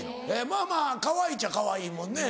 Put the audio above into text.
まぁまぁかわいいっちゃかわいいもんね。